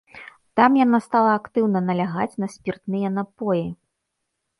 Там яна стала актыўна налягаць на спіртныя напоі.